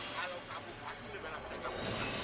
kalau kamu masuk di dalam aplikasi